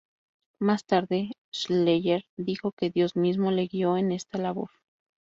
Más tarde, Schleyer dijo que Dios mismo le guio en esta labor.